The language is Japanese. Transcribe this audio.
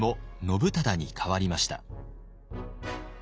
「信忠」に変わりました。